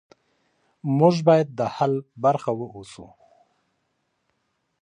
موږ باید د حل برخه اوسو.